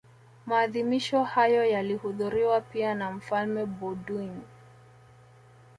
Maadhimisho hayo yalihudhuriwa pia na Mfalme Baudouin